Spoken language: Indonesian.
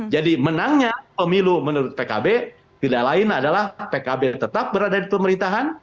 jadi menangnya pemilu menurut pkb tidak lain adalah pkb tetap berada di pemerintahan